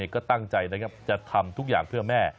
ก็ตั้งใจจัดทำทุกอย่างเพื่อแม่